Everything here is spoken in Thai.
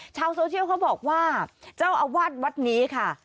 ชาวโซเชียลเขาบอกว่าเจ้าอาวาสวัดนี้ค่ะ